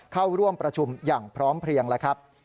เข้าร่วมประชุมอย่างพร้อมเพลียงแล้วครับ